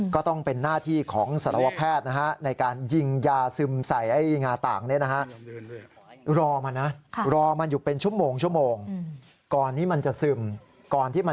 ก็ต้องเป็นหน้าที่ของสารวแพทย์นะฮะ